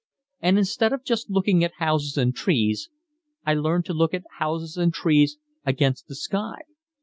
And instead of just looking at houses and trees I learned to look at houses and trees against the sky.